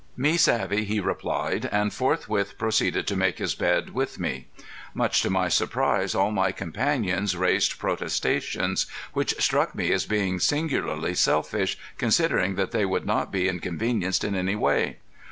"Me savvy," he replied and forthwith proceeded to make his bed with me. Much to my surprise all my comrades raised protestations, which struck me as being singularly selfish considering they would not be inconvenienced in any way.